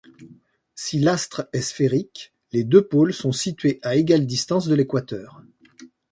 Si l'astre est sphérique, les deux pôles sont situés à égale distance de l'équateur.